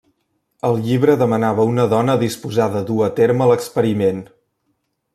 Al llibre demanava una dona disposada a dur a terme l'experiment.